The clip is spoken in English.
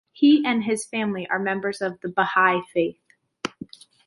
He and his family are members of the Baha'i Faith.